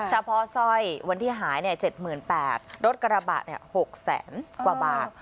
เฉพาะซอยวันที่หายเนี่ยเจ็ดหมื่นแปดรถกระบะเนี่ยหกแสนกว่าบาท